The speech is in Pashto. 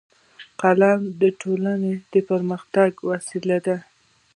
قلم د ټولنې د پرمختګ وسیله ده